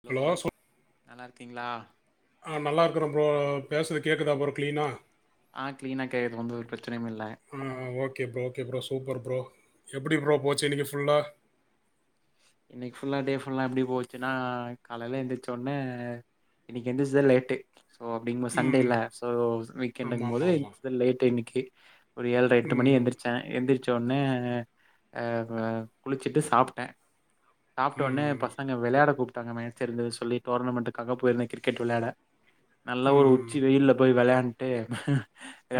Hello வணக், நல்லா இருக் கீங்ளா ஆ, நல்லா இருக்குற ப்ரோ பேசுறது கேக்குதா ப்ரோ கிளீனா ஆ கிளீனா கேக்குது வந்து ஒரு பிரச்சனையும் இல்ல ஆ, okay bro, okay bro super bro. எப்புடி ப்ரோ போச்சு இன்னைக்கு ஃபுல்லா இன்னைக்கு ஃபுல்லா டே ஃபுல்லா எப்டி போச்சுன்னா காலல எந்திரிச்சொன்னே இன்னிக்கு எந்திரிச்சதே லேட்டு சோ அப்டிங்போ ம். சண்டேல சோ வீக்கெண்டுங்மோது ஆமாமாமா. எந்ச்சது லேட் இன்னிக்கி ஒரு ஏழ்ர எட்டு மணி ம். எந்திரிச்ச எந்திரிச்சோன் ன அ அ குளிச்சிட்டு சாப்ட்ட சாப்ட்ட ஒனே ம். பசங்க வெளையாட கூப் டாங்க மேட்ச் இருந்துது சொல்லி டோர்னமெண்ட்டுக்காக போயிருந்தே கிரிக்கெட் வெளயாட நல்ல ஒரு உச்சி ம். வெயில்ல போய் வெளாண் ட்டு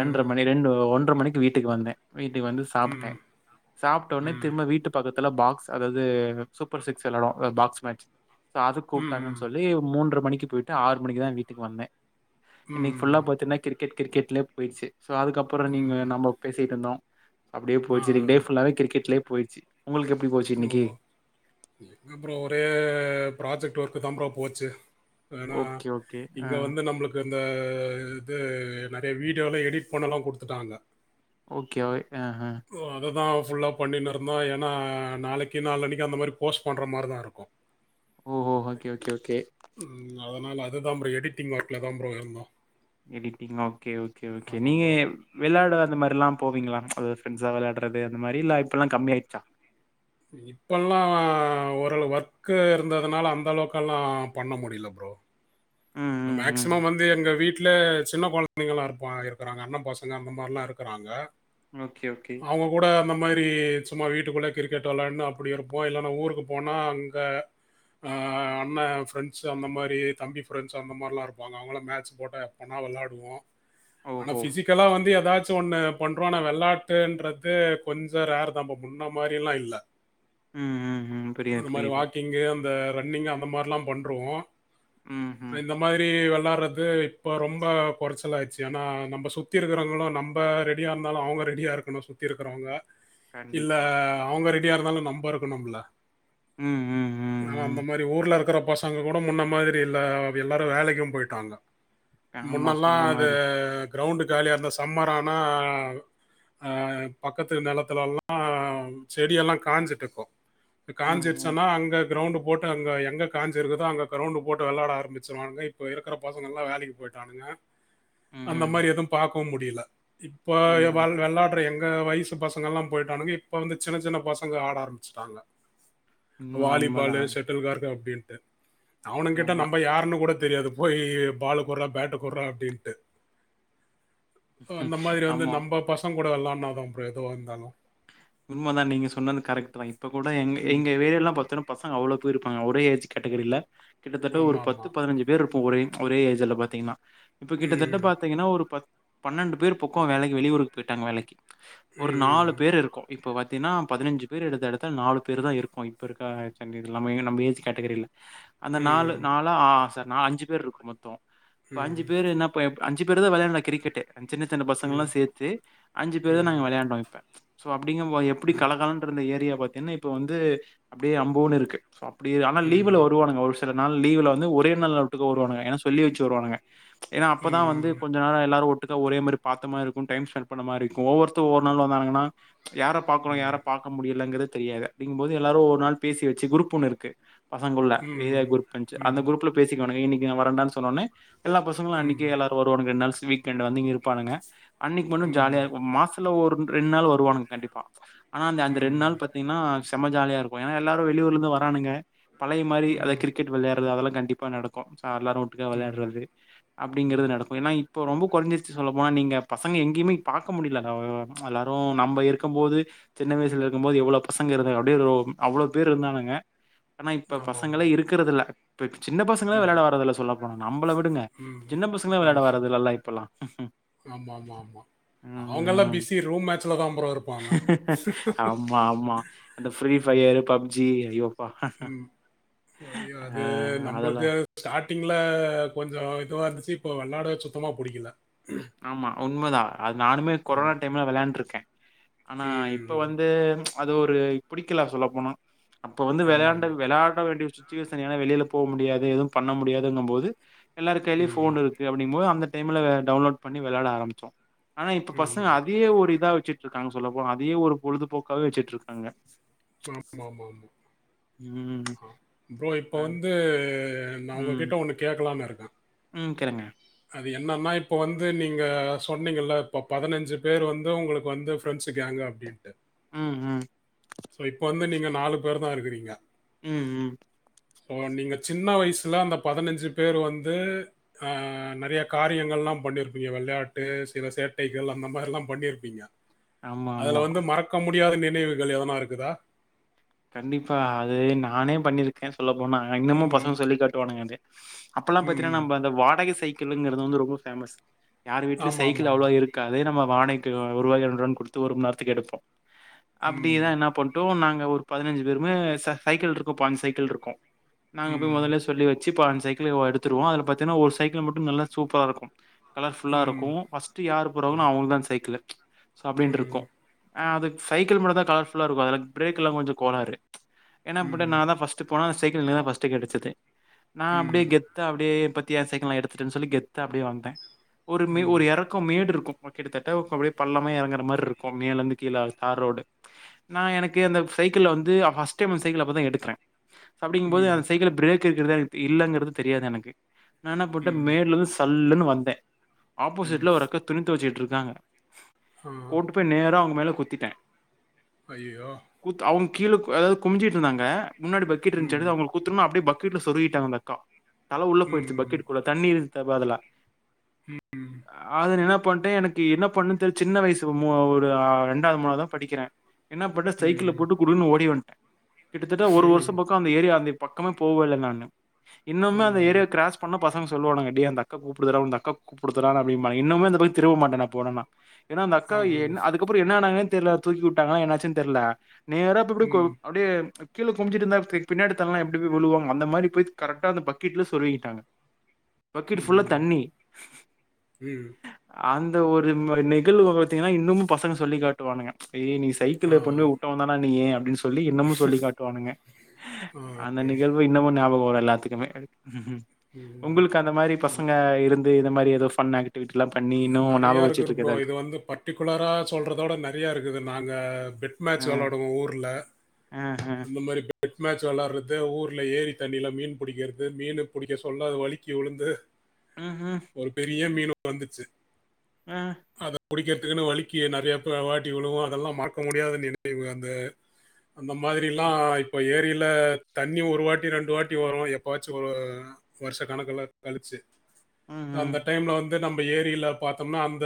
ம். மணி ம். ரெண்டு ஒன் ர மணிக்கு வீட்டுக்கு வந்தே வீட்டுக்கு வந்து சாப்ட்டே சாப்ட்ட ஒடனே ம். திரும்ப வீட்டு பக்கத் துல பாக்ஸ் அதாது சூப்பர் சிக்ஸ் வெளாடுவ பாக்ஸ் மேட்ச் சோ அதுக் கூப்ட்டாங்கன் ம். சொல்லி மூன்ற மணிக்கு போய்ட்டு ஆறு மணிக்குதா வீட்டுக் வந்தே இன்னிக் ஃபுல்லா ம். பாத்தீனா கிரிக் கிட் கிரிக்கெட்லே பொய்ட்ச்சு சோ அதுக்கப்புற நீங்க ம். நம்மோ பேசிட்ருந்தோ அப்டியே ஆ. போச்சு இன்னிக் டே ஃபுல்லாவே கிரிக்கெட்லே போய்ட்ச்சி உங்ளுக்கு எப்டி போச்சு இன்னிக்கி அப்பறம் ஒரே ப்ராஜெக்ட் ஒர்க்கு தான் பா போச்சு ஏன்னா ஓகே ஓகே ஆ இங்க வந்து நம்பளுக்கு இந்த இது நறைய வீடியோல எடிட் பண்ணலா குடுத்துட்டாங்க ஓகேவா ஓ அததா ஃபுல்லா பண்ணினிருந்தோ ஏன்னா நாளைக்கு நாளலன்னைக்கு அந்த மாரி போஸ்ட் பண்ற மாரிதா இருக்கு ஓஹோ ஓகே ஓகே ஓகே ம். அதனால அதுதான் ப்ரோ எடிட்டிங் ஒர்க்ல தா ப்ரோ இருந்தோ எடிட்டிங் ஓகே ஓகே ஓகே நீ ப்ரோ. விளாயட அத மாரிலா போவீங்ளா அது ஃபிரண்ஸா விளாயாடறது அந்த மாரி இல்லா இப்பல்லா கம்மியாயிருச்சா இப்பல்லா ஒரளவுக்கு ஒர்க்கு இருந்ததுனால அந்த அளவுக்கெல்லா பண்ண முடில ப்ரோ ம் ம் ம் மேக்சிமம் வந்து எங்க வீட் வீட்ல சின்ன கொழந்தைங்கல்லாம் இருப்பாங்க இருக்கிறாங்க அண்ணன் பசங்க அந்த மாரில்லாம் இருக்கிறாங்க ஓகே ஓகே அந்த மாரி சும்மா வீட்டுக்குள்ள கிரிக்கெட் வெளையாடனு அப்பிடி இருப்போம் இல்லன்னா ஊருக்கு போனா அங்க அண்ணன் ஃப்ரெண்ட்ஸ் அந்த மாரி தம்பி ஃப்ரெண்ட்ஸ் அந்த மாரில்லாம் இருப்பாங்க அவுங்கள மேட்ச் போட்டா நல்லா வெளாயாடுவோம் ஆனா ஓஹோ பிசிக்கலா வந்து எதாச்சு ச்சு ஒண்ணு பண்றோ ஆனா வெளாட்டுன்றது கொஞ்சோ ரேருதா இப்ப முன்ன மாரி எல்லா இல்ல ம் ம் ம் புரியுது புரியுது அ ரன்னிங் அந்த மாரிலா பண்றோம் ம் ம் இந்த மாதிரி வெளாடுறது இப்போ ரொம்ப கொறச்சல் ஆயிடுச்சு ஆனா நம்ம சுத்தி இருக்குறவங்களு நம்ம ரெடியா இருந்தாலு அவங்க ரெடியாக இருக்கணு சுத்தி இருக்குறவங்க இல்ல கண்டிப்பா அவங்க ரெ டியா இருந்தாலு நம்ப இருக்கனும்ல ம் ம் ம் ஆனா ம் அந்த மாரி ஊர்ல இருக்கற பசங்க கூட முன்ன மாதிரி இல்ல எல்லாரு வேலைக்கும் போயிட்டாங்க ஆமா முன்னெல்லா சொன்ன அது மாரி கிரௌண்டு காலியாருந்தா சம்மர் ஆனா பக்கத்து ஆ நெலத்துலல்லா செடியெல்லா காஞ்சிட்டு இருக்கோ ம் ம் காஞ்சிடுச்சன்னா அங்க கிரௌண்டு போட்டு அங்க எங்க காஞ்சு இருக்குதோ அங்க கிரவுண்ட் போட் வெளையாட ஆரம்பிச்சுருவாங்க இப்ப இருக்க பசங்கலா வேலைக்கு போயிட்டானுங்க அந்த ம் மாரி எதுவு பாக் கவு முடியில இப்போ வ உண்மதா விளாடுற எங் அஹ் வயசு பசங்க எல்லா போயிட்டானுங்க இப்ப வந்து சின்ன சின்ன பசங்க ஆட ஆரம்பிச்சுட்டாங்க உண்ம உண்மதா வாலிபாலு செட்டல்கார்க் அப்டின்னு அ அவனு ட ஆமா நம்ப யாருனு கூட தெரியாது போய் பாலு குட்றா பேட்டு குட்றா அப்டின்ட்டு ம் அந்த மாதிரி வந்து ஆமா நம்ப பசங் கூட வெளானா தா ப்ரோ எதுவோ இருந்தாலு உண்ம தா நீங்க சொன்னது கரெக்ட்தா இப்ப கூட எங்க ம். எங்க ஏரியாலா பாத்தின்னா பச் சங்க அவ்வளோ பேர் இருப்பாங்க ஒரே ஏஜ் கேட்டகரியில கிட்டத்தட்ட ஒரு பத்து ஆமாமா. பதினஞ்சு பேர் இருப்போ ஒரே ஏ ஒரே ஏஜ்ல பாத்தீங்கன்னா இப்ப கிட்டத்தட்ட ம். பாத்தீங்கன்னா ஒரு பத் பன்னெண்டு பேர் பக்கொ வேலைக்கு வெளியூருக்கு போயிட்டாங்க வேலைக்கு ஒரு நாலு ம். பேர் இருக்கு இப்போ பாத்திங்ன்னா பதினஞ்சு பேர் எடுத்த எடத்த நாலு பேர் தா இருக்கு இப்ப இருக்க சண்ட இது இல்லாமே இங்க நம்ப ஏஜ் கேட்டகரில அந்த நாலு ம். நாளா ஆ சார் நா அஞ்சு பேர் இருக்கு மொத்தோ ம். இப்ப அஞ்சு ம். பேர் என்னப்ப எப் அஞ்சு பேர்தா வெளையாட்னோ கிரிக்கெட்டு அன் சின்ன சின்ன பசங்க எல்லா ம். சேத்து அஞ்சு பேரு தா நாங்க ம். வெளையாண்டோ இப்ப இங்கம்போ எப்டி ம். கலகலனு இருந் ஏரியா பாத்தீங்கன்னா இப்ப வந்து அப்டியே அம்போன்னு இருக்கு சோ அப்டி ஆனா லீவ்ல ம். ம். வருவானுங்க ஒரு சில நாள் லீவ்ல வந்து ஒரே நாள வீட்டுக்கு வருவானுங்க ஏன்னா சொல்லி வச்சு வருவானுங்க ஏன்னா அப்பதா ம். வந்து கொஞ்ச நேர எல்லாரு ஒட் ட்டுக்க ஒரே மாரி பாத்த இருக்கும் டைம் ஸ்பெண்ட் பண்ண மாரிக்கு ஒவ்வொருத்தங்க ஒவ்வொரு நாள் வந்தானுங்கன்னா யார பாக்கணு யார பாக்க முடியலங்கறது தெரியாது அப்டிங்க போது எல்லாரு ஒவ்வொரு நாள் பேசி வச்சு குரூப் ஒண்ணு இருக்கு பசங்கள்ள ஏரியா ம். குரூப் இருந்ச்சு அந்த குரூப்ல பேசி கனு இன்னிக்கு நா வரண்டான்னு சொன்ன ஒடன்னே எல்லா பசங்களு அன்னைக்கே எல்லாரு வருவானுங்க ரெண்டு நாள்ஸ் வீக் எண்டு வந்து இங்க இருப்பானுங்க அன்னைக்கு மட்டு ஜாலியா ம். இருக்கு மாசத்துல ஒரு ரெண்டு நாள் வருவானுங் கண்டிப்பா ஆனா அந்த அந்த ரெண்டு ம். நாள் பாத்தீங்கன்னா செம ஜாலியா இருக்கு ஏனா எல்லாரு வெளியூர்ல இருந்து வரானுங்க பழைய மாரி அதா ம். கிரிக்கெட விளையாடறது அதெல்லா கண்டிப்பா நடக்கு எல்லாரு ஒட்டுக்கா ம். விளையாடுறது அப்படிங்கறது நடக்கு‌ ஏனா இப்ப ரொம்போ குறைஞ்சிருச்சு சொல்ல போனா நீங்க பசங்க எங்கேயுமே பாக்க முடியல ப்ச் எல்லாரு நம்ம இரு க்கும்போது சின்ன வயசுல இருக்கும்போது எவ்வளவு பசங்க இருந்தாங்க அப்போ அவ்ளோ பேர் இருந்தாங்க ஆனா இப்ப பசங்களே ஆமாமாமா. இருக்கிறது இல்ல இப்ப சின்ன பசங்களே விளையாட வர்றது இல்ல சொல்லப்போனா நம்மள விடுங்க ம். சின்ன பசங்களே விளையாட ஆமா. வர்றதில்ல எல்லா இப்பெல்லா ஆமாமாமா. அவங்கலாம் உம் பிஸி ரூம் மேட்ச்ல தான் ப்ரோ இருப்பாங்க. ஆமா ஆமா இந்த ஃப்ரீ ஃபயர் பப்ஜி இவ உம் ய ஆ அது அதெல்லா நம்மளுக்கு ஸ்டார்டிங்ல கொஞ்சோ இதுவா இருந்துச்சு இப்போ வெளாடவே சுத்தமா புடிக்கல ஆமா உண்மதா அது நானுமே கொரோனா ஆமா. டைம்ல விளையாண்டுருக்க ஆனா இப்ப ம். வந்து ப்ச் அது ஒரு புடிக்கல சொல்ல போனா அப்போ வந்து வெளண்ட ஆமாமா. விளையாட வேண்டிய ச்சு சுச்சுவேஷன் ஏனா வெளில போ முடியாது எதுவும் பண்ண முடியாதுங்கும்போது எல்லார் கைலயு ம். ஃபோன் இருக்கு அப்டீங்கும்போது அந்த கேம்ல டவுன்லோட் பண்ணி வெளாட ஆரம்பிச்சோ ஆனா இப்ப பசங்க ம். அதே ஒரு இதா வெச்சிட்டு இருக்காங்க சொல்லப்போனா அதயே ஒரு பொழுதுபோக்காவே வெச்சிட்டு இருக்காங்க ஆமாமாமா ம் ப்ரோ இப்ப ம் வந்து நா உங்ககிட்ட ஒன்னு கேட்கலா னு இருக்க உம் கேளுங்க அது என்னன்னா இப்போ வந்து நீங்க சொன்னிங்கல்ல இப்போ பதினஞ்சு பேர் வந்து உங்களுக்கு வந்து ஃப்ரெண்ட்ஸ் கேங்கு அப்டின்ட்டு உம் உம் சோ இப்ப வந்து நீங்க நாலு பேர்தா இருக்கிறீங்க உம் உம் சோ நீங்க சின்ன வயசுல அந்த பதினஞ்சு பேர் வந்து அஹ் நெறய காரியங்கள்லாம் பண்ணிருப்பீங்க வெளயாட்டு சில சேட்டைகள் அந்த மாதிரில்லாம் பண்ணிருப்பீங்க ஆமா அதுல ஆமா வந்து மறக்க முட் முடியாத நினைவுகள் எதனா இருக் க்குதா கண்டிப்பா அது நானே பண்ணிருக்கே சொல்ல போனா இன்னமு ம். பசுங்க சொல்லி காட்டுவானுங்க அதே அப்பல்லா பாத்தீனா ம். நம்ப அந்த வாடகே சைக் கிள்ளுங்கிறது வந்து ரொம்ப ஃபேமஸ் யார் வீட்லியு சைக்கிள் அவ்ள்வா ஆமாமாமா. இருக்காது நம்ம வாடை ஒருவாயோ ரெண்டு ருவா குட்த்து ஒரு மண் நேரத்துக்கு எடுப்போ ம். அப்படிதா என்ன பண்ட்டு நாங்க ஒரு பதனஞ்சு பேருமே ச சைக்கிள் இருக்கு பாஞ்சு சைக்கிள் இருக்கு நாங்க போய் ம். மொதலே சொல்லி வெச் சி பாஞ்சு சைக்கிளயு எடுத்துருவோ அதுல பாத்தினா ஒரு சைக்கிள் மட்டு நல்லா சூப்பரா இருக்கும் கலர் ஃபுல்லா இருக்கு ம். ஃபஸ்ட்டு யாரு போறாங்ளோ அவங்களுக்தா அந்த சைக்கிளு சோ அப்டின்ட்ருக்கு ம். ஆ அது சைக்கிள் மட்டுந்தா கலர் ஃபுல்லா இருக்கு அதுல பிரேக் எல்லா கொஞ்சோ கோளாறு ஏனா அப்டி ம். நாந்தா ஃபஸ்ட்டு போனா அந்த சைக்கிள் எனக்குதா ஃபஸ்ட்டு கெடச்சது நா அப்டியே ம். கெத்தா அப்டியே பாத் தியா சைக்கிள் நா எடுத்துட்டன் சொல்லி கெத்தா அப்டியே வன்ட்ட ஒரு மே ம். ஒரு எறக்கோ மேடு இருக்கு உ கிட்டத்தட்ட அப்டியே பள்ளமா எறங்குற மாரி இருக்கு மேல இருந்து கீழால தார் ரோடு நா எனக்கு அந்த சைிக்கிள்ல வந்து ஆ ஃபஸ்ட் டைம் அந்த சைக்கிள அப்பதா எடுக்குற அப்டிங்போது ம். அந்த சைக்கிள்ல ப்ரே க் இருக்கறதா எனக் இல்லங்கறது தெரியாது எனக்கு நா என்ன பண்ட்ட ம். மேடுல இருந்து சல்லுனு வந்த ஆப்போசிட்ல ஒரு அக்கா துணி தொவச்சிட்டுருக் காங்க ஆ. கொண்டு போய் நேரா அவங்க மேல குத்திட்ட அய்யயோ குத் அவங்க கீழ அதாவது குமிஞ்சிட்டு இருந்தாங்க முன்னாடி பக்கிட்டு ம். இருந்துச்சு அவங்க குத்துமா அப்டி பக் வீட்ல சொருகிட்டாங்க அந்த அக்கா தல உள்ள போயிட்ச்சு ம். பக்கெட்டுகுள்ள தண்ணி த்த பதிலா அது என்னனா இப்பண்ட்டு எனக்கு என்ன பண்ணு தெர் சின்ன வயசு ஒரு ஆ ரெண்டாது மூணாது தா படிக்கிற என்ன பண்ண சைக்கிள ம். போட்டு குடுனு ஓடி வண்ட்ட கிட்டத்தட்ட ஒரு வருஷோ பக்கோ அந்த ஏரியா அந்த பக்கமே போவல நானு ஆ. இன்னம்மே அந்த ஏரியா க்ரஸ் பண்ணா பசங்க சொல்லுவாங்கட்ட அந்தக்க கூப்பிடுறதா அக்கக்கு கூப்பிடுறா தா அப்படிபாங்க இன்னமே அந்தக்கம் திரும்ப மாட்டோ போனேனா ஏன்னா அந்த அக்கா ஆ. என் அதுக்கப்புறம் என்ன ஆனான்னு தெரியல தூக்கி விட்டாங் என்னாச்சன்னு தெரியல [inaudible] நேர அப்ப இப்படி ம். அப்படி கீழ குனிச்சிடு இருந்த எப்படி பின்னாடி எல்லாம் எப்படி போய் விழுவாங்க அந்த மாதிரி போய் கரெக்டா அந்த பக்கெட்ல சோர்வுகிட்டாங்க பக்கட்டு ஃபுல்ல ம். தண்ணி ம். அந்த இந்த ஒரு நிகழ்வு பார்த்தீங்கன்னா இன்னுமும் பசங்க சொல்லி காட்டுவானுங்க ஏய் நீ சைக்கிள் பண்ணி ஆ. நீ அப்படின்னுல்ல சொல்லி இன்னமும் சொல்லி காட்டுவானுங்க அந்த நிகழ்வு இன்னமும் ஞாபகம்ரா எல்லாத்துக்குமே ம் உங்களுக்கு அந்த மாதிரி பசங்க இருந்து இத ம ஏதோ பன்க்டிவிட்டி நிறைய இருக்கு பரோம் இது வந்து பர்ட்டிகுலரா சொல்றதோட நிறைய இருக்குது நாங்க பெட் மே அ விளாடுவங்க ஊர்ல அ அ அந்த மாதிரி பெட் மேட்ச் விளாடுறது ஊர்ல ஏரி தண்ணியில மீன் பிடிக்கிறது மீன் பிடிக்க சொல்ல வலிக்கு விழுந்து ம்ஹ்ம் ஒரு பெரிய மீன் வந்துச்சு ஆஹ் குடிக்கிறதுக்குன்னு வலிக்கு நிறையா பே வாட்டி விழுவோம் அதெல்லாம் மறக்க முடியாத நினைவு அந்த அந்த மாதிரிலாம் இப்போ ஏரியில் தண்ணி ஒரு வாட்டி ரெண்டு வாட்டி வரும் எப்போாச்சும் ஒரு வருஷ கணக்கல கழிச்சு ம்ஹ்ம் அந்த டைம்ல வந் து நம்ம ஏரில பாத்தோம்னா அந்த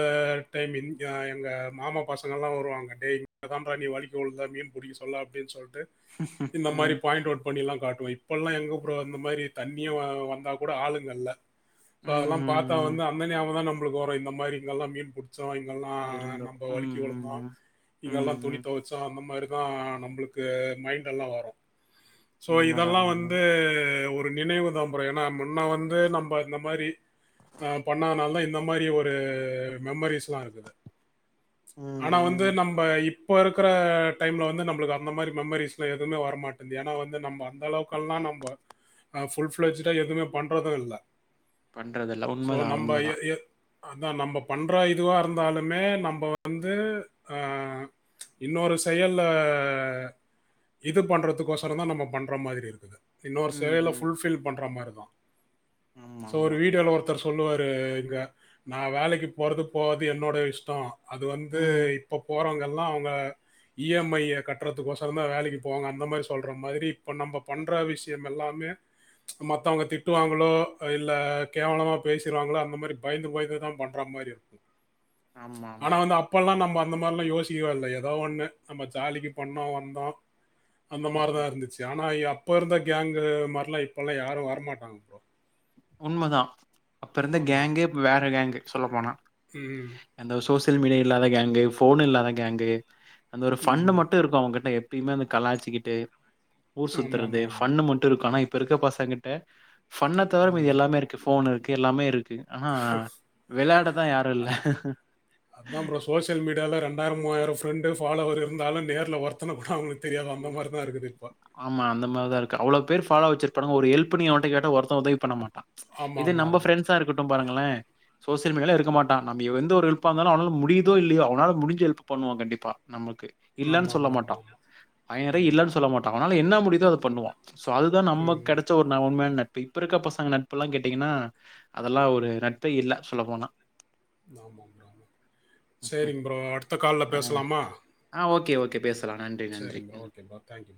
டைம் எங் அ எங்க மாமா பசங்க எல்லா வருவாங்க ஏய் அதாம்ப்பா நீ வழுக்கிவுழுந்தா மீன் புடிக்க சொல்ல அப்படின்னு சொல் ட்டு இந்த அ மாரி பாயிண்ட் அவுட் பண்ணி எல்லா காட்டுவே இப்ப எல்லா எங்க ப்ரோ அந்த மாரி தண்ணியே வந்தா கூட ஆளுங்க இல்ல சோ அதெல்லா பாத்தா ம்ஹ்ம் வந்து அந்த ஞாபகந்தா நம் ளுக்கு ஒரு இந்த மாரி இங்க எல்லா மீன் புடி ச்சோ இங்கெல்லா இருந்தோ நம்ம வழுக்கி விழுந்தோ ம்ஹ்ம் இங்கெல்லா துணி ம்ஹ்ம் தொவச்சோ அந்த மாரி லா நம்பளுக்கு மைண்ட் எல்லா வரு, சோ உண்மதா இதெல்லா வந்து உண்மதா ஒ ரு நினைவுதா ப்ரோ ஏன்னா முன்னா வந்து நம்ம இந்த மாரி அ பண்ணனாலதா இந்த மாரி ஒ ரு மெமரிஸ்லா இருக்கு ஆனா வந்து ம்ஹ்ம் நம்ப இப் இப்ப இருக்கற டைம்ல வந்து நம்மளுக்கு அந்த மாரி மெமரிஸ்லா எதுமே வர மாட்டேங்குது ஏன்னா வந்து நம்ம அந்த அளவுக்குல்லா நம்ம ஃபுல் ஃப்ளஜ்ஜிடா எதுவமே பண்றதும் இல்ல பண்றது இல்ல உண்மைதா உண்மைதா அதா நம்ம பண்ற இதுவா இருந்தாலுமே நம்ம வந்து ஆ இன்னொரு செயல்ல இது பண்றதுக்கோசரந்தா நம்ம பண்ற மாதிரி இருக்குது இன்னொரு செயல ம்ஹ்ம் ஃபுல்ஃபில் பண்ற மாரி ஆ ஆமா சோ ஒரு ஆமா வீடல ஒருத்தர் சொல்லுவாருங்க நா வேலைக்கி போறது போவாது என்னோட இஷ்டோம் அது வந்து ம் இப்ப போறோங்கல் லாம் அவங்க இ எம் ஐ ய கட்றதுக் கோசுரதா வேலைக் போவாங்க அந்த மாரி சொல்ற மாரி இப்ப பண்ற விஷியம் எல்லாமே மத்தவங்க திட்டுவாங்களோ இல்ல கேவலமா பேசிறுவாங்களோ அந்த மாரி பயந்து பயந்து தான் பண்ற மாரி ஆமா ஆனா ஆமா வந்து அப்பெல்லாம் நம்ம அந்த மாரிலா யோசிக்கவேல்ல ஏதோ ஒண்ணு நம்ம ஜாலிக்கு பண்ணோம் வந்தோம் அந்த மாறு தா இருந்துச்சு ஆனாய்யா அப்ப இருந்த கேங்கு மாரிலா இப்பெல்லா யாரும் வரமாட்டாங்க ப்ரோ உண்மதா அப்ப இருந்த ஆமா. கேங்கு வேற கேங்கு சொல்ல போனா ம். எந்த விசோஸ் தில் மீடிய இல்லாத கேங்கு ஃபோன் இல்லாத கேங்கு அந்த ஒரு ஃபண்ணு ம். மட்டும் இருக்கும் அவங்கிட்ட எப்பயுமே அந்த கலாச்சிக்கிட்டு ஊர் சுத்துறது ஆமாமாமா. ஃபன்னு மட்டு இருக்கு ஆனா இப் இப்ப இருக்க பசங்கிட்ட ஃபன் தவர மீதி ம். எல்லாமே இருக்கு போன் இருக் கு எல்லாமே இருக் கு ஆனா விளையாடதா யாரு இல்ல அதான். ஃப்ரெண்ட் ஃபாலோவர் இருந்தாலு நேர்ல ஒர்த்தன கூட அவங்களுக் ஆமா அந்த மாரிதா இருக்கு அவ்ளோ பேர் ஃபாலோ வச்சிருக் இப்ப நம்ம ஒரு ஹெல்ப்னு எவன் கிட்ட கேட்டா ஒருத்த உதவி பண்ணமாட் இது நம்ம ஆமாமாமா. ஃப்ரெண்ட்ஸா இருக்கட்டு பாருங்களே சோசியல் மீடியால இருக்க மாட்டா நம்ம எந்த ஒரு ஹெல்ப்பா இருந்தாலு அவனால முடியுதோ இல்லையோ அவனால முடிஞ்ச ஹெல்ப் பண்ணுவா கண்டிப்பா நம்ளுக் இல்லன்னு சொல்ல ஆமாமாமாமா. மாட்டான் எதயு இல்லன் சொல்ல மாட்டான் அவனால என்ன முடியுதோ அத பண்ணுவா சோ அதுதா நம்மக் ம். கெடச்ச ஒரு ந உண்மையான ந ட்பு இப்ப இருக்க பசங்க நட்பு எல்லா கேட்டீங்கன்னா அதெல்லா ஒரு நட்பே இல்ல சொல்ல போனா ஆமா ப்ரோ சேரிங் ப்ரோ அடுத்த கால்ல பேசலாமா கே பேஸ் லா நன்றி சரிங்க ப்ரோ. நன்றி ஓகே பா தேங்க்யூ